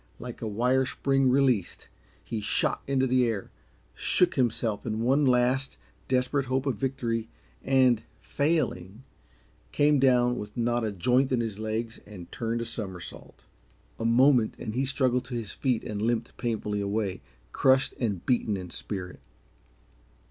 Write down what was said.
Like a wire spring released, he shot into the air, shook himself in one last, desperate hope of victory, and, failing, came down with not a joint in his legs and turned a somersault. A moment, and he struggled to his feet and limped painfully away, crushed and beaten in spirit.